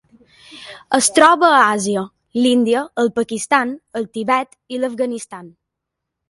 Es troba a Àsia: l'Índia, el Pakistan, el Tibet i l'Afganistan.